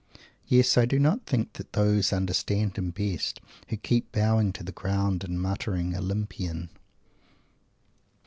Yes, I do not think that those understand him best who keep bowing to the ground and muttering "Olympian"!